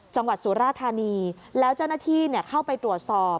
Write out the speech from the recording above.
สุราธานีแล้วเจ้าหน้าที่เข้าไปตรวจสอบ